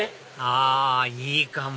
あいいかも！